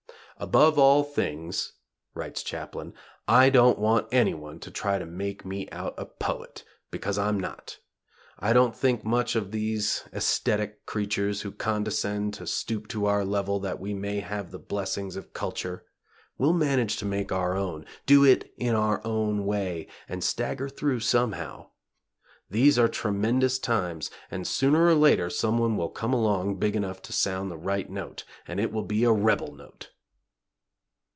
"Above all things," writes Chaplin, "I don't want anyone to try to make me out a 'poet' because I'm not. I don't think much of these esthetic creatures who condescend to stoop to our level that we may have the blessings of culture. We'll manage to make our own do it in our own way, and stagger through somehow. ... These are tremendous times, and sooner or later someone will come along big enough to sound the right note, and it will be a rebel note."